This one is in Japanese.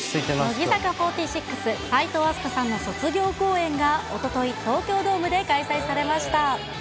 乃木坂４６・齋藤飛鳥さんの卒業公演が、おととい、東京ドームで開催されました。